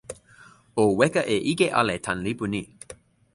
o weka e ike ale tan lipu ni.